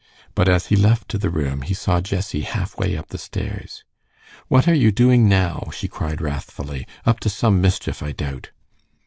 But as he left the room he saw Jessie half way up the stairs. "What are you doing now?" she cried, wrathfully. "Up to some mischief, I doubt."